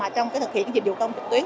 trong thực hiện dịch vụ công trực tuyến